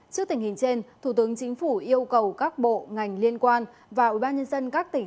trước tình hình trên thủ tướng chính phủ yêu cầu các bộ ngành liên quan và ủy ban nhân dân các tỉnh